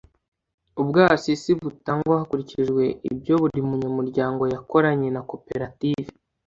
ubwasisi butangwa hakurikijwe ibyo buri munyamuryango yakoranye na koperative